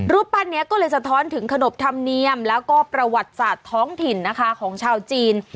รูปปั้นนี้ก็เลยสะท้อนถึงขนบธรรมเนียมแล้วก็ประวัติศาสตร์ท้องถิ่นนะคะของชาวจีน